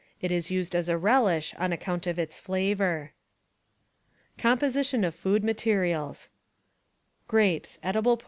It is used as a relish on account of its flavor. 34 COMPOSITION OF FOOD MATERIALS.